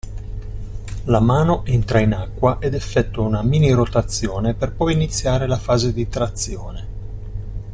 La mano entra in acqua ed effettua una mini-rotazione per poi iniziare la fase di trazione.